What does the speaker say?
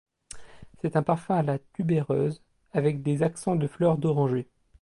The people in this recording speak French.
C'est un parfum à la tubéreuse, avec des accents de fleurs d'oranger.